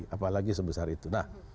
apalagi sebesar itu